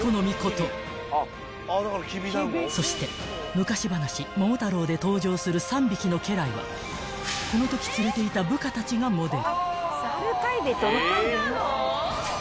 ［そして昔話『桃太郎』で登場する３匹の家来はこのとき連れていた部下たちがモデル］